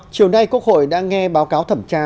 chiều nay quốc hội đã nghe báo cáo thẩm tra